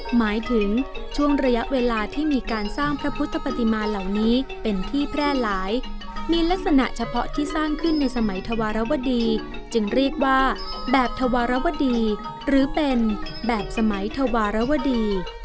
หมายถึงช่วงระยะเวลาที่มีการสร้างพระพุทธปฏิมาเหล่านี้เป็นที่แพร่หลายมีลักษณะเฉพาะที่สร้างขึ้นในสมัยธวรวดีจึงเรียกว่าแบบธวรวดีหรือเป็นแบบสมัยธวารวดี